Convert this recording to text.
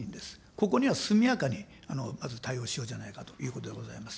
ここには速やかに、まず対応しようじゃないかということでございます。